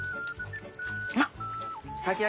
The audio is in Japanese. うまっ！